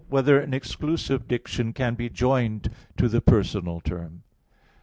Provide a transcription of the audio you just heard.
4] Whether an Exclusive Diction Can Be Joined to the Personal Term?